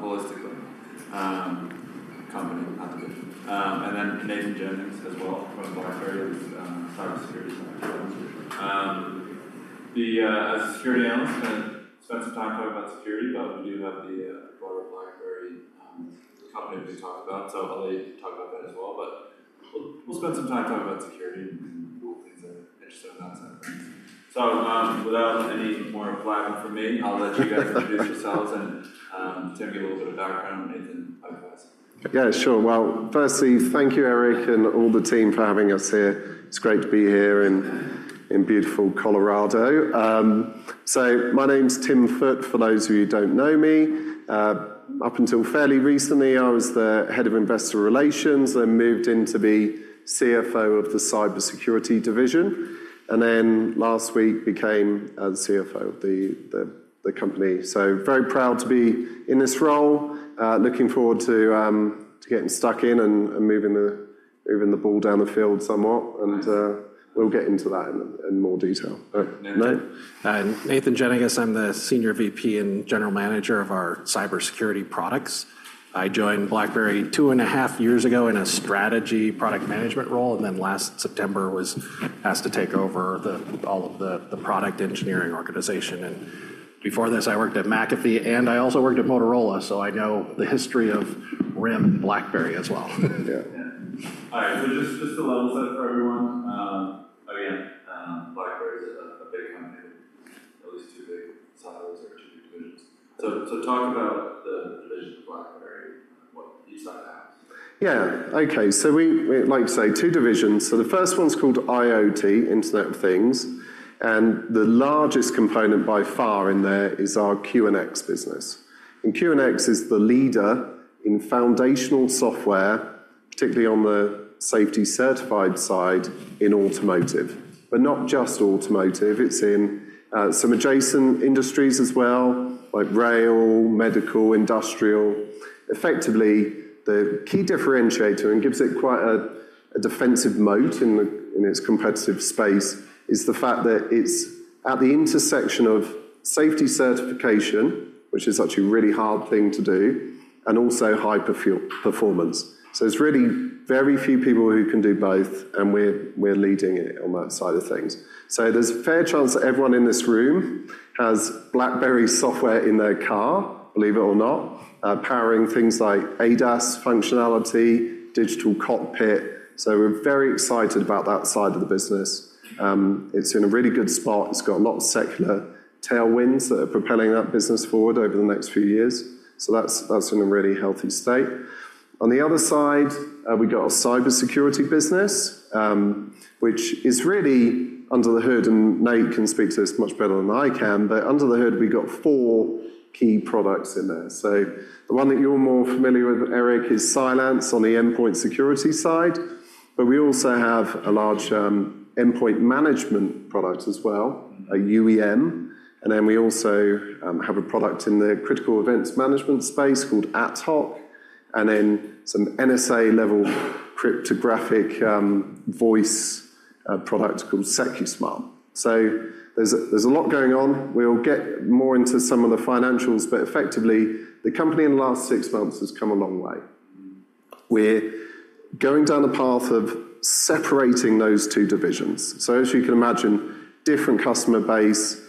Holistically, company application. And then Nathan Jenniges as well, from BlackBerry's cybersecurity background. As a security analyst, gonna spend some time talking about security, but we do have the broader BlackBerry company to talk about. So, I'll let you talk about that as well, but we'll spend some time talking about security and cool things I'm interested in that side. So, without any more blabbing from me, I'll let you guys introduce yourselves and, Tim, give a little bit of background, Nathan, otherwise. Yeah, sure. Well, firstly, thank you, Eric, and all the team for having us here. It's great to be here in beautiful Colorado. So my name's Tim Foote, for those of you who don't know me. Up until fairly recently, I was the head of investor relations, then moved in to be CFO of the cybersecurity division, and then last week became the CFO of the company. So very proud to be in this role. Looking forward to getting stuck in and moving the ball down the field somewhat, and we'll get into that in more detail. Nate? I'm Nathan Jenniges. I'm the Senior VP and General Manager of our cybersecurity products. I joined BlackBerry 2.5 years ago in a strategy product management role, and then last September was asked to take over all of the product engineering organization. Before this, I worked at McAfee, and I also worked at Motorola, so I know the history of RIM and BlackBerry as well. Yeah. All right. So just to level set for everyone, again, BlackBerry is a big company, at least two big silos or two big divisions. So talk about the divisions of BlackBerry, what your side has. Yeah. Okay. So we like you say, two divisions. So the first one's called IoT, Internet of Things, and the largest component by far in there is our QNX business. And QNX is the leader in foundational software, particularly on the safety certified side in automotive. But not just automotive, it's in some adjacent industries as well, like rail, medical, industrial. Effectively, the key differentiator, and gives it quite a defensive moat in its competitive space, is the fact that it's at the intersection of safety certification, which is actually a really hard thing to do, and also high performance. So, it's really very few people who can do both, and we're leading it on that side of things. So there's a fair chance that everyone in this room has BlackBerry software in their car, believe it or not, powering things like ADAS functionality, digital cockpit. So we're very excited about that side of the business. It's in a really good spot. It's got a lot of secular tailwinds that are propelling that business forward over the next few years. So that's, that's in a really healthy state. On the other side, we got a cybersecurity business, which is really under the hood, and Nate can speak to this much better than I can, but under the hood, we've got four key products in there. So the one that you're more familiar with, Eric, is Cylance on the endpoint security side, but we also have a large, endpoint management product as well, a UEM. Then we also have a product in the critical events management space called AtHoc, and then some NSA-level cryptographic voice product called Secusmart. So, there's a lot going on. We'll get more into some of the financials, but effectively, the company in the last six months has come a long way. We're going down a path of separating those two divisions. So, as you can imagine, different customer base,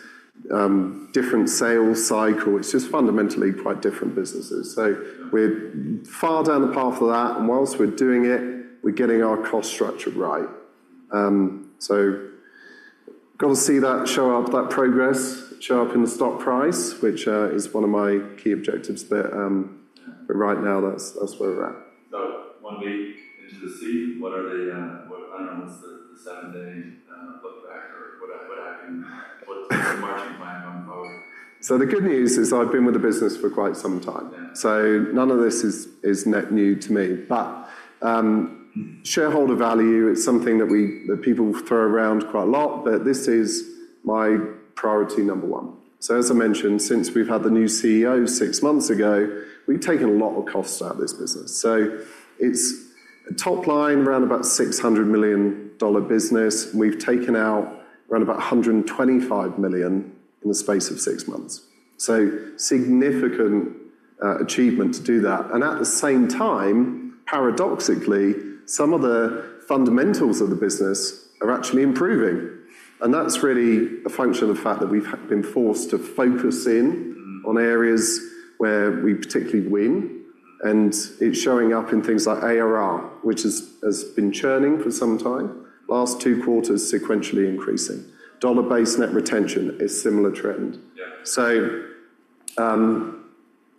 different sales cycle. It's just fundamentally quite different businesses. So, we're far down the path of that, and whilst we're doing it, we're getting our cost structure right. So, got to see that show up, that progress, show up in the stock price, which is one of my key objectives. But right now, that's where we're at. So one week into the seat, what are the, what... I don't know, what's the seven-day look back or what, what happened? What's the marching plan on the road? The good news is I've been with the business for quite some time. Yeah. So none of this is net new to me. But shareholder value is something that we, that people throw around quite a lot, but this is my priority number one. So, as I mentioned, since we've had the new CEO six months ago, we've taken a lot of costs out of this business. So, it's a top line, around about $600 million business. We've taken out around about $125 million in the space of six months. So significant achievement to do that. And at the same time, paradoxically, some of the fundamentals of the business are actually improving. And that's really a function of the fact that we've been forced to focus in... Mm On areas where we particularly win, and it's showing up in things like ARR, which is, has been churning for some time. Last two quarters, sequentially increasing. Dollar-based net retention is similar trend. Yeah.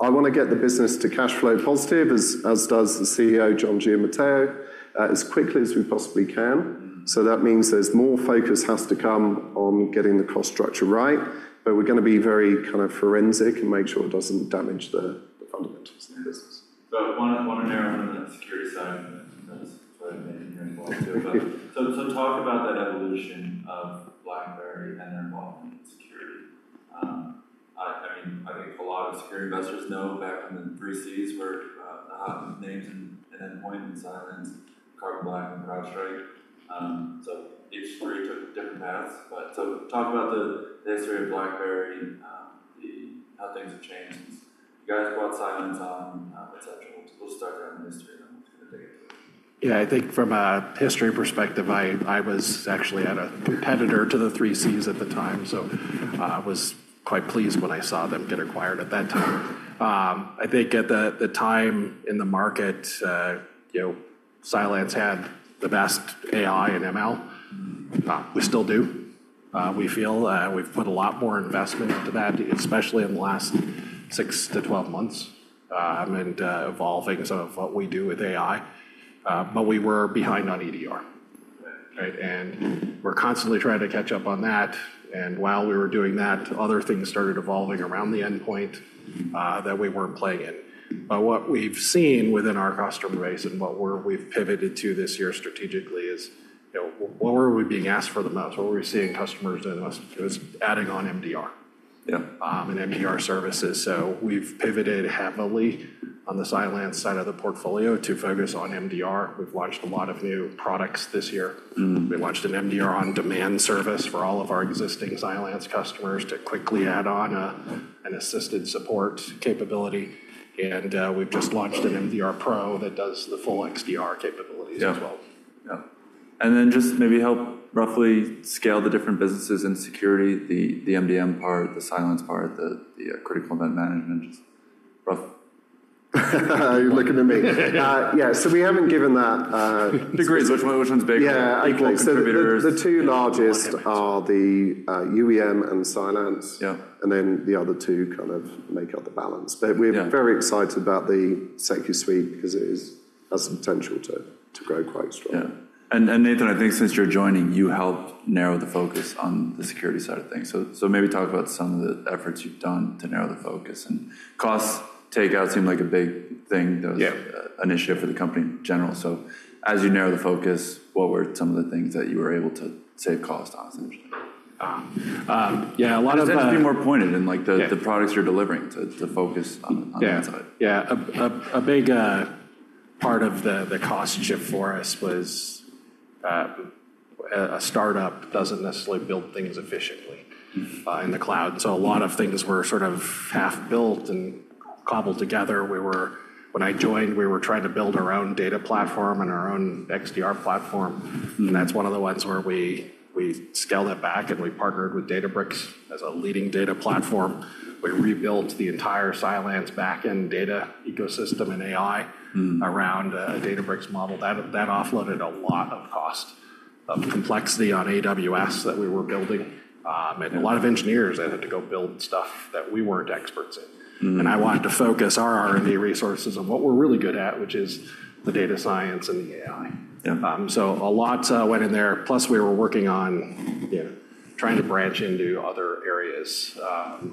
I wanna get the business to cash flow positive, as does the CEO, John Giamatteo, as quickly as we possibly can. Mm. That means there's more focus has to come on getting the cost structure right, but we're gonna be very kind of forensic and make sure it doesn't damage the fundamentals of the business. So I wanna narrow in on that security side. That's maybe you're involved with. So talk about that evolution of BlackBerry and their involvement in security. I mean, I think a lot of security investors know back in the three Cs were names and endpoint and Cylance, Carbon Black, and CrowdStrike. So each three took different paths. But so talk about the history of BlackBerry. ...how things have changed since you guys bought Cylance on, et cetera. We'll start there on the history and then we'll take it. Yeah, I think from a history perspective, I was actually at a competitor to the three Cs at the time, so, I was quite pleased when I saw them get acquired at that time. I think at the time in the market, you know, Cylance had the best AI and ML. We still do. We feel, we've put a lot more investment into that, especially in the last six to 12 months, and, evolving some of what we do with AI. But we were behind on EDR, right? And we're constantly trying to catch up on that, and while we were doing that, other things started evolving around the endpoint, that we weren't playing in. But what we've seen within our customer base and what we've pivoted to this year strategically is, you know, what were we being asked for the most? What were we seeing customers doing the most? It was adding on MDR... Yeah ...and MDR services. So we've pivoted heavily on the Cylance side of the portfolio to focus on MDR. We've launched a lot of new products this year. Mm. We launched an MDR on-demand service for all of our existing Cylance customers to quickly add on an assisted support capability, and we've just launched an MDR Pro that does the full XDR capabilities as well. Yeah. Yeah. And then just maybe help roughly scale the different businesses in security, the MDM part, the Cylance part, the critical event management. Just roughly. You're looking at me. Yeah. Yeah. Yeah, so we haven't given that. Degrees, which one, which one's bigger? Yeah. Equal contributors. So, the two largest... Yeah ...are the UEM and Cylance. Yeah. The other two kind of make up the balance. Yeah. But we're very excited about the SecuSUITE because it is, has the potential to grow quite strong. Yeah. And Nathan, I think since you're joining, you helped narrow the focus on the security side of things. So maybe talk about some of the efforts you've done to narrow the focus. And cost takeout seemed like a big thing... Yeah ...that was an issue for the company in general. So, as you narrow the focus, what were some of the things that you were able to save cost on? I'm just... Yeah, a lot of, Just have to be more pointed in, like, the... Yeah ...the products you're delivering to focus on that side. Yeah. Yeah. A big part of the cost structure for us was a startup doesn't necessarily build things efficiently... Mm ...in the cloud. So, a lot of things were sort of half-built and cobbled together. When I joined, we were trying to build our own data platform and our own XDR platform. Mm. That's one of the ones where we scaled it back, and we partnered with Databricks as a leading data platform. We rebuilt the entire Cylance back-end data ecosystem and AI... Mm ...around a Databricks model. That offloaded a lot of cost of complexity on AWS that we were building. Yeah ...and a lot of engineers that had to go build stuff that we weren't experts in. Mm-hmm. I wanted to focus our R&D resources on what we're really good at, which is the data science and the AI. Yeah. So a lot went in there. Plus, we were working on, you know, trying to branch into other areas. You know,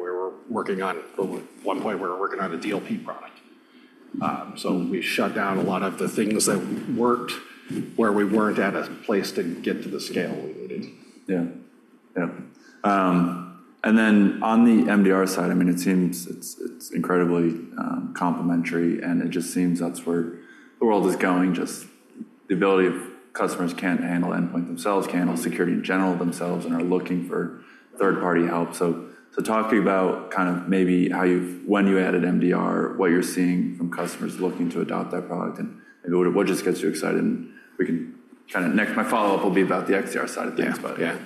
we were working on... At one point, we were working on a DLP product. So we shut down a lot of the things that worked, where we weren't at a place to get to the scale we needed. Yeah. Yeah. And then on the MDR side, I mean, it seems it's, it's incredibly complementary, and it just seems that's where the world is going, just the ability of customers can't handle endpoint themselves, can't handle security in general themselves, and are looking for third-party help. So, so talk to me about kind of maybe how you've—when you added MDR, what you're seeing from customers looking to adopt that product, and, and what, what just gets you excited? And we can kind of... Next, my follow-up will be about the XDR side of things, but yeah.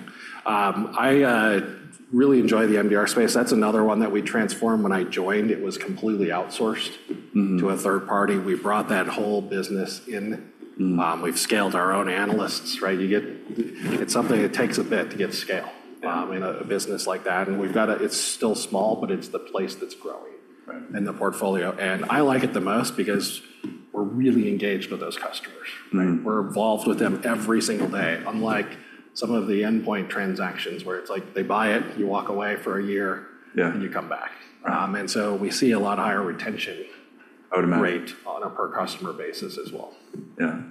Yeah. I really enjoy the MDR space. That's another one that we transformed when I joined. It was completely outsourced... Mm-hmm ...to a third party. We brought that whole business in. Mm. We've scaled our own analysts, right? You get... Mm. It's something that takes a bit to get scale... Yeah ...in a business like that. And we've got a... It's still small, but it's the place that's growing... Right ...in the portfolio. I like it the most because we're really engaged with those customers. Mm. We're involved with them every single day, unlike some of the endpoint transactions, where it's like they buy it, you walk away for a year... Yeah ...and you come back. Right. and so we see a lot higher retention... Automatically ...rate on a per-customer basis as well. Yeah.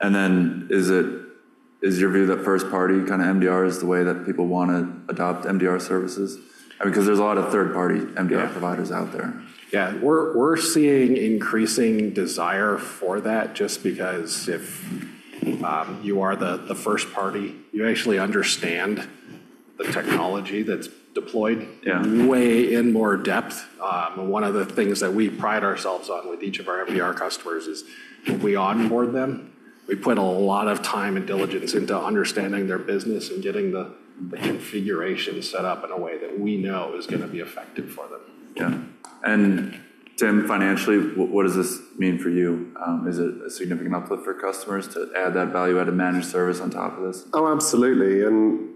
Then is it, is your view that first party kinda MDR is the way that people wanna adopt MDR services? I mean, 'cause there's a lot of third-party MDR... Yeah ...providers out there. Yeah. We're seeing increasing desire for that just because if you are the first party, you actually understand the technology that's deployed... Yeah ...way in more depth. And one of the things that we pride ourselves on with each of our MDR customers is, we onboard them. We put a lot of time and diligence into understanding their business and getting the configuration set up in a way that we know is gonna be effective for them. Yeah. And Tim, financially, what does this mean for you? Is it a significant uplift for customers to add that value-added managed service on top of this? Oh, absolutely. And,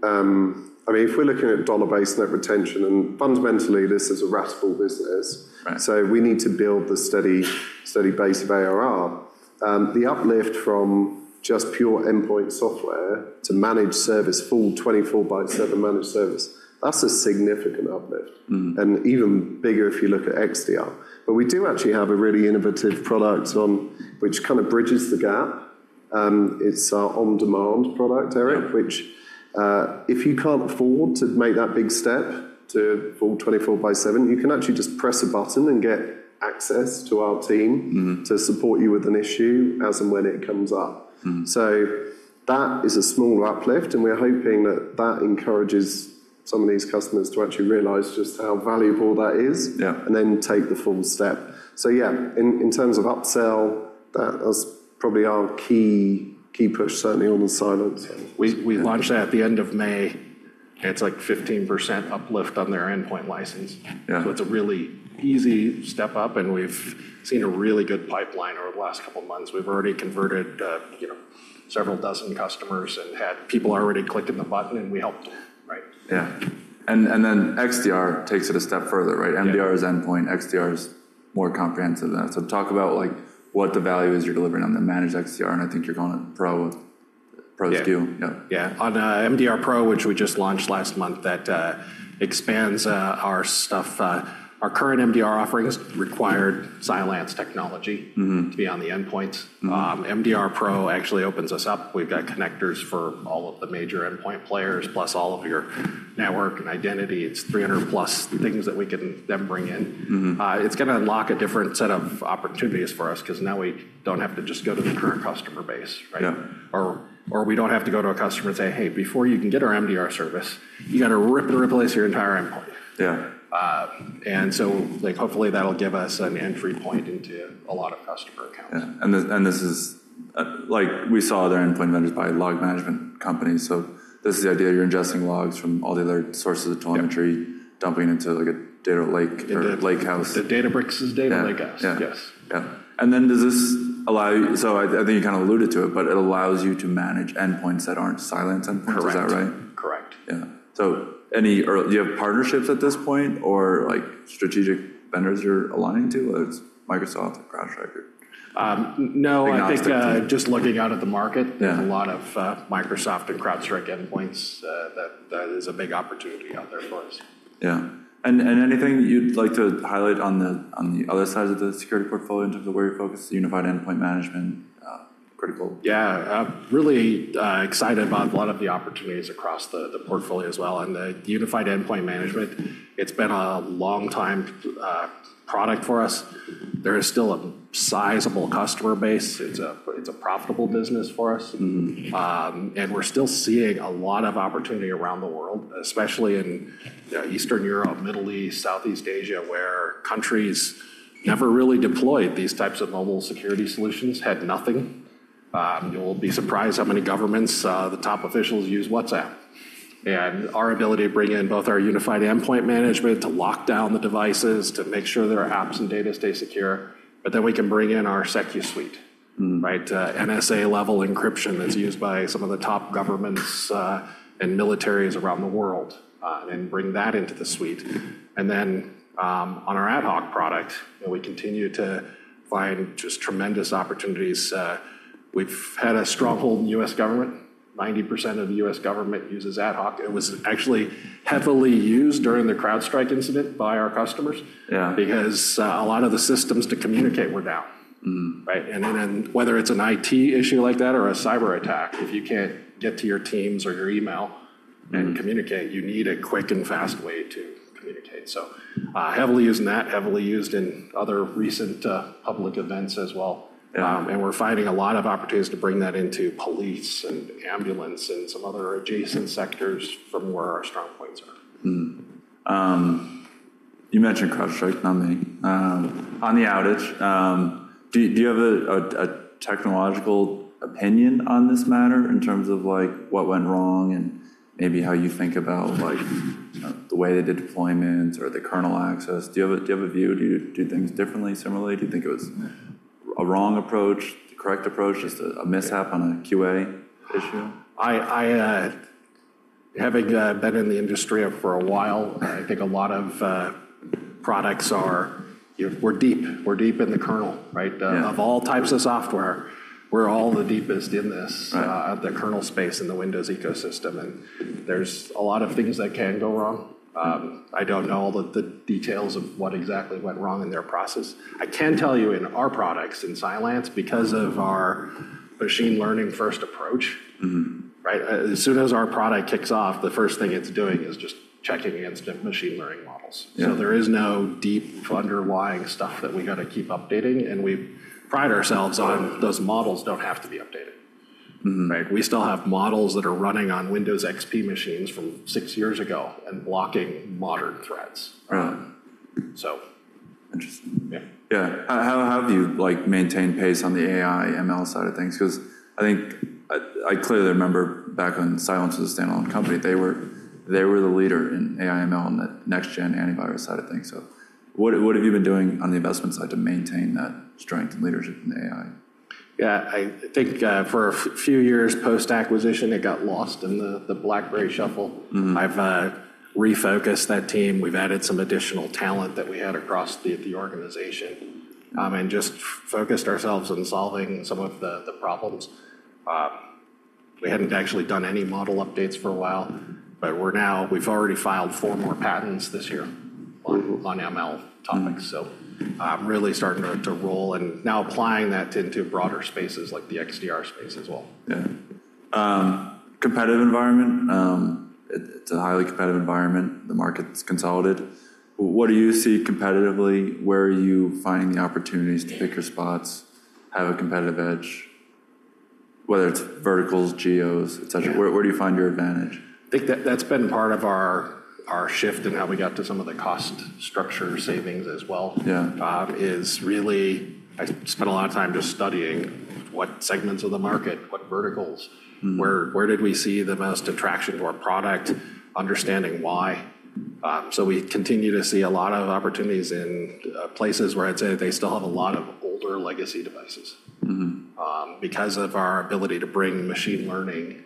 I mean, if we're looking at dollar-based net retention, and fundamentally, this is a ratable business... Right ...so we need to build the steady, steady base of ARR. The uplift from just pure endpoint software to managed service, full 24/7 managed service, that's a significant uplift. Mm-hmm. Even bigger if you look at XDR. We do actually have a really innovative product on, which kind of bridges the gap. It's our on-demand product, Eric... Yeah ...which, if you can't afford to make that big step to full 24x7, you can actually just press a button and get access to our team... Mm ...to support you with an issue as and when it comes up. Mm. That is a smaller uplift, and we're hoping that that encourages... ...some of these customers to actually realize just how valuable that is... Yeah. And then take the full step. So yeah, in terms of upsell, that is probably our key push, certainly on Cylance. We launched that at the end of May, and it's like 15% uplift on their endpoint license. Yeah. So it's a really easy step up, and we've seen a really good pipeline over the last couple of months. We've already converted, you know, several dozen customers and had people already clicking the button, and we helped them. Right. Yeah. And then XDR takes it a step further, right? Yeah. MDR is endpoint, XDR is more comprehensive than that. So talk about, like, what the value is you're delivering on the managed XDR, and I think you're going pro, pro SKU. Yeah. Yeah. Yeah. On MDR Pro, which we just launched last month, that expands our stuff. Our current MDR offerings required Cylance technology... Mm-hmm. to be on the endpoints. Mm-hmm. MDR Pro actually opens us up. We've got connectors for all of the major endpoint players, plus all of your network and identity. It's 300+ things that we can then bring in. Mm-hmm. It's gonna unlock a different set of opportunities for us 'cause now we don't have to just go to the current customer base, right? Yeah. Or, we don't have to go to a customer and say, "Hey, before you can get our MDR service, you got to rip and replace your entire endpoint. Yeah. And so, like, hopefully, that'll give us an entry point into a lot of customer accounts. Yeah. And this is, like, we saw other endpoint vendors buy log management companies. So, this is the idea, you're ingesting logs from all the other sources of telemetry... Yeah ...dumping into, like, a data lake or lakehouse. The Databricks's data lakehouse. Yeah. Yes. Yeah. And then, does this allow? So, I think you kinda alluded to it, but it allows you to manage endpoints that aren't Cylance endpoints. Correct. Is that right? Correct. Yeah. So, do you have partnerships at this point, or, like, strategic vendors you're aligning to, like Microsoft or CrowdStrike or... Um, no... [inaudible] ...I think, just looking out at the market... Yeah ...there are a lot of Microsoft and CrowdStrike endpoints. That is a big opportunity out there for us. Yeah. And anything you'd like to highlight on the other side of the security portfolio in terms of where you're focused, unified endpoint management, critical? Yeah, I'm really excited about a lot of the opportunities across the portfolio as well. And the unified endpoint management, it's been a long time product for us. There is still a sizable customer base. It's a profitable business for us. Mm-hmm. And we're still seeing a lot of opportunity around the world, especially in Eastern Europe, Middle East, Southeast Asia, where countries never really deployed these types of mobile security solutions, had nothing. You'll be surprised how many governments, the top officials use WhatsApp, and our ability to bring in both our unified endpoint management to lock down the devices, to make sure their apps and data stay secure. But then we can bring in our SecuSUITE. Mm. Right? NSA-level encryption that's used by some of the top governments, and militaries around the world, and bring that into the suite. And then, on our AtHoc product, we continue to find just tremendous opportunities. We've had a stronghold in U.S. government. 90% of the U.S. government uses AtHoc. It was actually heavily used during the CrowdStrike incident by our customers... Yeah ...because a lot of the systems to communicate were down. Mm. Right? And then, whether it's an IT issue like that or a cyberattack, if you can't get to your teams or your email... Mm ...and communicate, you need a quick and fast way to communicate. So, heavily used in that, heavily used in other recent, public events as well. Yeah. We're finding a lot of opportunities to bring that into police and ambulance and some other adjacent sectors from where our strong points are. You mentioned CrowdStrike on the, on the outage. Do you have a technological opinion on this matter in terms of, like, what went wrong and maybe how you think about, like, the way they did deployments or the kernel access? Do you have a view? Do you do things differently, similarly? Do you think it was a wrong approach, the correct approach, just a mishap on a QA issue? I, having been in the industry for a while, I think a lot of products are... We're deep. We're deep in the kernel, right? Yeah. Of all types of software, we're all the deepest in this... Right ...the kernel space in the Windows ecosystem, and there's a lot of things that can go wrong. I don't know all the, the details of what exactly went wrong in their process. I can tell you, in our products, in Cylance, because of our machine learning first approach... Mm-hmm. Right? As soon as our product kicks off, the first thing it's doing is just checking against different machine learning models. Yeah. There is no deep underlying stuff that we gotta keep updating, and we pride ourselves on, those models don't have to be updated. Mm-hmm. Right? We still have models that are running on Windows XP machines from six years ago and blocking modern threats. Right. So... Interesting. Yeah. Yeah. How do you, like, maintain pace on the AI, ML side of things? 'Cause I think I clearly remember back when Cylance was a standalone company, they were the leader in AI, ML, and the next-gen antivirus side of things. So, what have you been doing on the investment side to maintain that strength and leadership in AI? Yeah, I think, for a few years post-acquisition, it got lost in the BlackBerry shuffle. Mm-hmm. I've refocused that team. We've added some additional talent that we had across the organization and just focused ourselves on solving some of the problems. We hadn't actually done any model updates for a while, but we're now. We've already filed 4 more patents this year... Mm ...on ML topics. Mm. So, really starting to roll and now applying that into broader spaces like the XDR space as well. Yeah. Competitive environment, it's a highly competitive environment. The market's consolidated. What do you see competitively? Where are you finding the opportunities to pick your spots, have a competitive edge? Whether it's verticals, geos, et cetera. Yeah. Where do you find your advantage? I think that that's been part of our shift in how we got to some of the cost structure savings as well... Yeah ...is really, I spent a lot of time just studying what segments of the market, what verticals? Mm-hmm. Where did we see the most attraction to our product? Understanding why. So we continue to see a lot of opportunities in places where I'd say they still have a lot of older legacy devices. Mm-hmm. Because of our ability to bring machine learning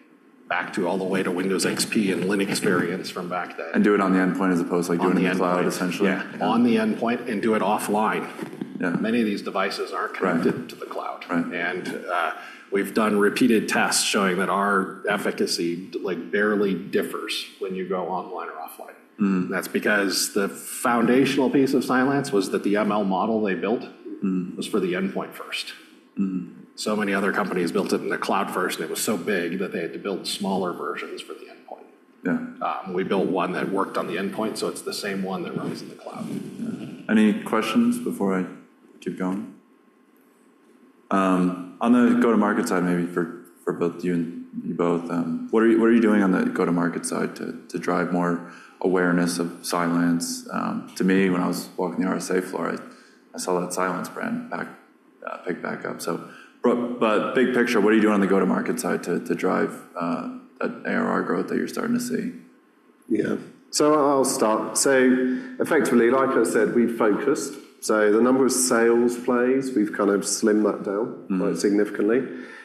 back to all the way to Windows XP and Linux experience from back then. Do it on the endpoint as opposed, like, doing it in the cloud, essentially. Yeah. On the endpoint, and do it offline. Yeah. Many of these devices aren't connected... Right ...to the cloud. Right. We've done repeated tests showing that our efficacy, like, barely differs when you go online or offline. Mm. That's because the foundational piece of Cylance was that the ML model they built... Mm ...was for the endpoint first. Mm. Many other companies built it in the cloud first, and it was so big that they had to build smaller versions for the endpoint. Yeah. We built one that worked on the endpoint, so it's the same one that runs in the cloud. Any questions before I keep going? On the go-to-market side, maybe for both you and you both, what are you doing on the go-to-market side to drive more awareness of Cylance? To me, when I was walking the RSA floor, I saw that Cylance brand pick back up. So, but big picture, what are you doing on the go-to-market side to drive that ARR growth that you're starting to see? Yeah. I'll start. Effectively, like I said, we've focused. The number of sales plays, we've kind of slimmed that down... Mm Quite significantly.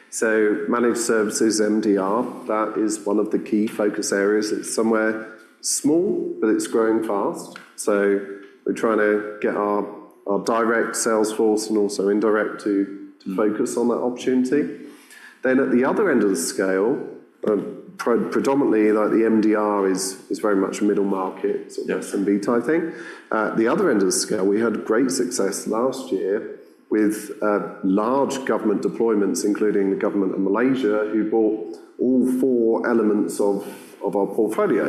So managed services, MDR, that is one of the key focus areas. It's somewhat small, but it's growing fast. So, we're trying to get our, our direct sales force and also indirect to... Mm ...to focus on that opportunity. Then at the other end of the scale, predominantly, like the MDR is very much a middle market... Yeah sort of SMB type thing. At the other end of the scale, we had great success last year with large government deployments, including the government of Malaysia, who bought all four elements of our portfolio.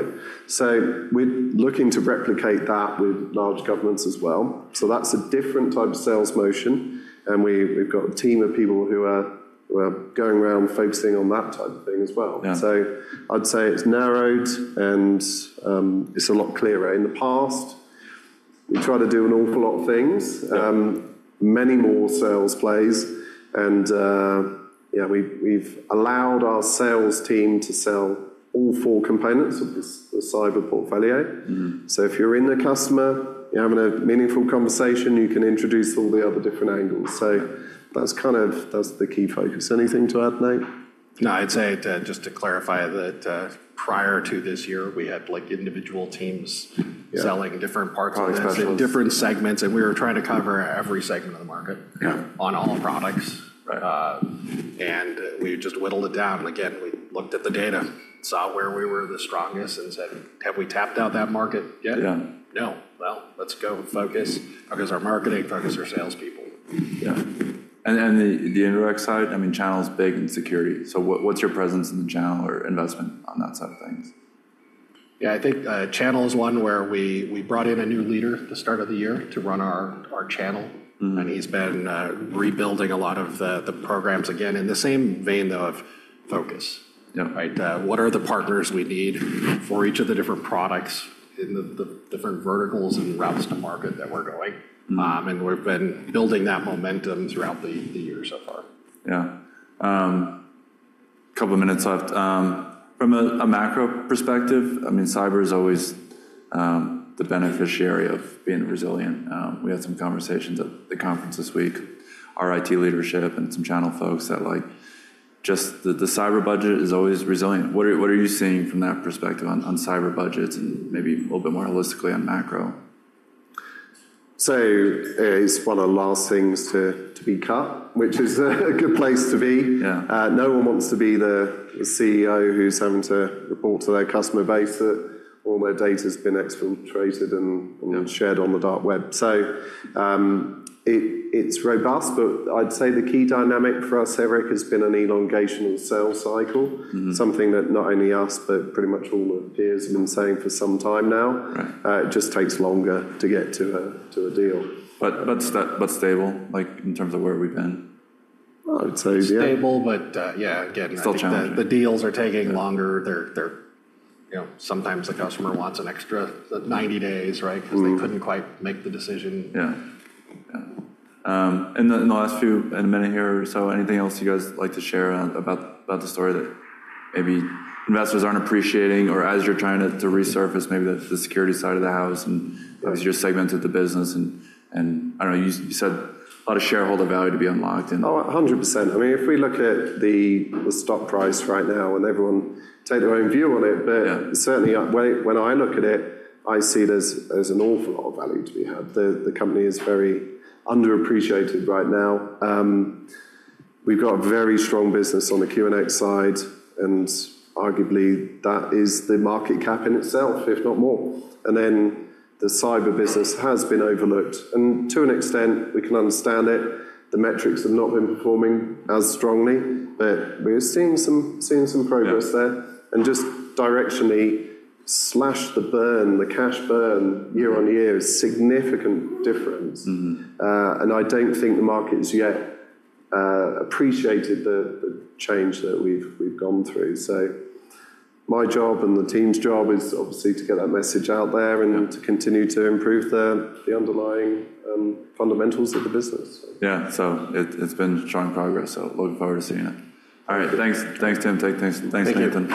So, we're looking to replicate that with large governments as well. So that's a different type of sales motion, and we've got a team of people who are going around focusing on that type of thing as well. Yeah. So, I'd say it's narrowed, and it's a lot clearer. In the past, we tried to do an awful lot of things. Yeah. Many more sales plays, and yeah, we've allowed our sales team to sell all four components of this, the cyber portfolio. Mm-hmm. So, if you're in the customer, you're having a meaningful conversation, you can introduce all the other different angles. So that's kind of, that's the key focus. Anything to add, Nate? No, I'd say to, just to clarify that, prior to this year, we had, like, individual teams... Yeah selling different parts of it Product specialists ...different segments, and we were trying to cover every segment of the market... Yeah on all the products. Right. We just whittled it down. Again, we looked at the data, saw where we were the strongest, and said, "Have we tapped out that market yet? Yeah. No. Well, let's go focus. Focus our marketing, focus our salespeople. Yeah. And then the indirect side, I mean, channel's big in security. So what's your presence in the channel or investment on that side of things? Yeah, I think, channel is one where we brought in a new leader at the start of the year to run our channel. Mm. He's been rebuilding a lot of the programs, again, in the same vein, though, of focus. Yeah. Right. What are the partners we need for each of the different products in the different verticals and routes to market that we're going? Mm. We've been building that momentum throughout the year so far. Yeah. Couple of minutes left. From a macro perspective, I mean, cyber is always the beneficiary of being resilient. We had some conversations at the conference this week, our IT leadership and some channel folks that, like, just the cyber budget is always resilient. What are you seeing from that perspective on cyber budgets and maybe a little bit more holistically on macro? It's one of the last things to be cut, which is a good place to be. Yeah. No one wants to be the CEO who's having to report to their customer base that all their data's been exfiltrated and... Yeah ...shared on the dark web. So, it's robust, but I'd say the key dynamic for us, Eric, has been an elongation in sales cycle. Mm-hmm. Something that not only us, but pretty much all our peers have been saying for some time now. Right. It just takes longer to get to a deal. But stable, like, in terms of where we've been? Well, I'd say, yeah. Stable, but, yeah, again... Still challenging ...the deals are taking longer. They're, they're, you know, sometimes the customer wants an extra 90 days, right? Mm. Because they couldn't quite make the decision. Yeah. In the last few, in a minute here or so, anything else you guys would like to share about the story that maybe investors aren't appreciating, or as you're trying to resurface, maybe the security side of the house and... Right ...as you segmented the business and I don't know, you said a lot of shareholder value to be unlocked and... Oh, 100%. I mean, if we look at the stock price right now, and everyone can take their own view on it... Yeah ...but certainly, when I look at it, I see there's an awful lot of value to be had. The company is very underappreciated right now. We've got a very strong business on the QNX side, and arguably, that is the market cap in itself, if not more. And then the cyber business has been overlooked, and to an extent, we can understand it. The metrics have not been performing as strongly, but we're seeing some progress there. Yeah. Just directionally, slash the burn, the cash burn year-over-year is significant difference. Mm-hmm. I don't think the market has yet appreciated the change that we've gone through. My job and the team's job is obviously to get that message out there... Yeah ...and to continue to improve the underlying fundamentals of the business. Yeah. So it's been strong progress, so looking forward to seeing it. All right. Thanks. Thanks, Tim. Thanks, Nathan.